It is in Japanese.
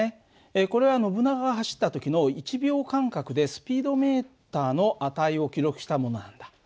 これはノブナガが走った時の１秒間隔でスピードメーターの値を記録したものなんだ。